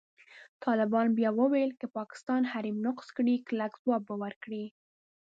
طالبان بیا وویل، که پاکستان حریم نقض کړي، کلک ځواب به ورکړي.